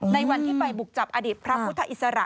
ในวันที่ไปบุกจับอดีตพระพุทธอิสระ